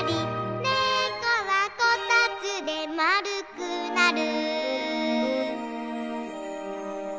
「ねこはこたつでまるくなる」